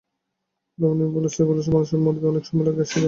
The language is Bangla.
দামিনী বলিল, শ্রীবিলাসবাবু, মানুষের মরিতে অনেক সময় লাগে সে আমি জানি।